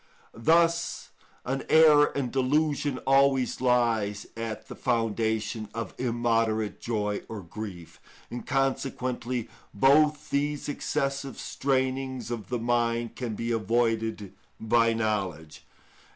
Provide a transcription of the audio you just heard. Thus an error and delusion always lies at the foundation of immoderate joy or grief, and consequently both these excessive strainings of the mind can be avoided by knowledge.